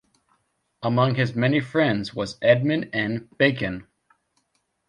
Among his many friends was Edmund N. Bacon.